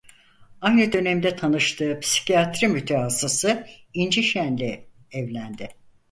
Aynı dönemde tanıştığı psikiyatri mütehassısı "İnci Şen" ile evlendi.